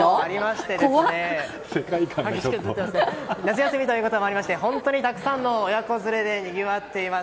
夏休みということもありまして本当にたくさんの親子連れでにぎわっています。